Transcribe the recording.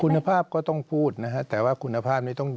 คุณภาพก็ต้องพูดนะฮะแต่ว่าคุณภาพไม่ต้อง